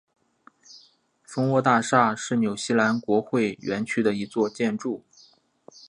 蜂窝大厦是纽西兰国会园区内的一座建筑。